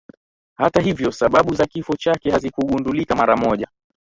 Hata hivyo sababu za kifo chake hazikugundulika mara moja